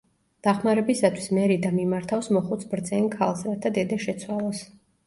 დახმარებისათვის მერიდა მიმართავს მოხუც ბრძენ ქალს, რათა „დედა შეცვალოს“.